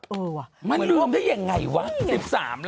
เออว่ะมันลืมได้ยังไงวะ๑๓ล้าน